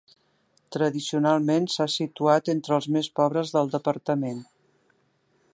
Tradicionalment s'ha situat entre els més pobres del departament.